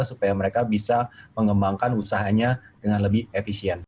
supaya mereka bisa mengembangkan usahanya dengan lebih efisien